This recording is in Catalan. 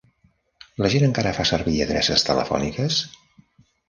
La gent encara fa servir adreces telefòniques?